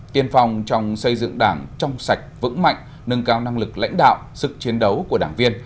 tiên phong trong xây dựng đảng trong sạch vững mạnh nâng cao năng lực lãnh đạo sức chiến đấu của đảng viên